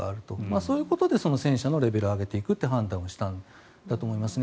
そのために戦車のレベルを上げていくって判断をしたんだと思いますね。